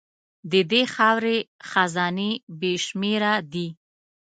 د دې خاورې خزانې بې شمېره دي.